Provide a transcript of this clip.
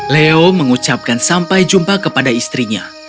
leo mengucapkan sampai jumpa kepada istrinya